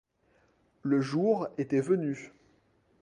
Le jour était venu.